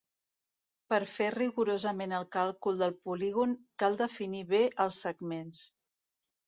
Per fer rigorosament el càlcul del polígon, cal definir bé els segments.